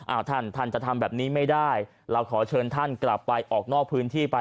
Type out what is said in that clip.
ท่านท่านจะทำแบบนี้ไม่ได้เราขอเชิญท่านกลับไปออกนอกพื้นที่ไป